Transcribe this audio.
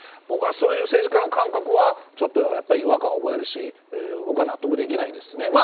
僕はそういった政治家の感覚はちょっと違和感を覚えるし僕は納得できないですね。